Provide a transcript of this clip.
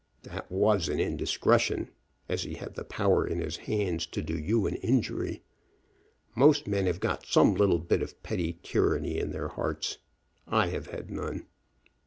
"That was an indiscretion, as he had the power in his hands to do you an injury. Most men have got some little bit of petty tyranny in their hearts. I have had none."